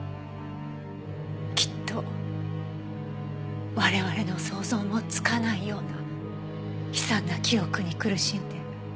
きっと我々の想像もつかないような悲惨な記憶に苦しんで。